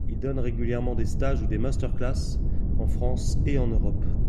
Il donne régulièrement des stages ou des masterclasses, en France et en Europe.